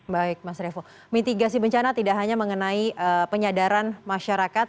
baik mas revo mitigasi bencana tidak hanya mengenai penyadaran masyarakat